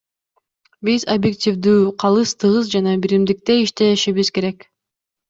Биз объективдүү, калыс, тыгыз жана биримдикте иштешибиз керек.